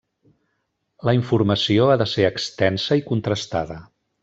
La informació ha de ser extensa i contrastada.